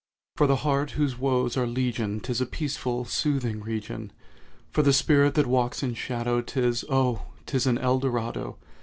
For the heart whose woes are legion 'Tis a peaceful, soothing region— For the spirit that walks in shadow 'Tis—oh 'tis an Eldorado!